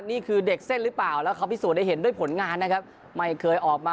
นี่คือเด็กเส้นหรือเปล่าแล้วเขาพิสูจนได้เห็นด้วยผลงานนะครับไม่เคยออกมา